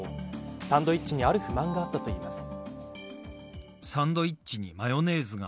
サンドイッチにある不満があったといいます。